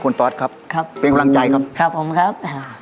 คุณตอสครับครับเป็นกำลังใจครับครับผมครับอ่า